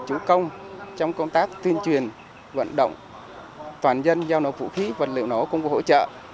chủ công trong công tác tuyên truyền vận động toàn dân giao nổ vũ khí vật liệu nổ công cụ hỗ trợ